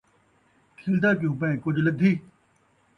کھلدا کیوں پئیں ؟ کجھ لدھی